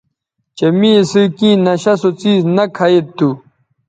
چہء می اِسئ کیں نشہ سو څیز نہ کھہ ید تھو